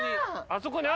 あそこに！